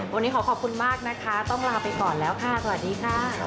วันนี้ขอขอบคุณมากนะคะต้องลาไปก่อนแล้วค่ะสวัสดีค่ะ